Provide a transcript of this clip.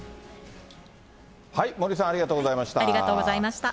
森さん、ありがとうございました。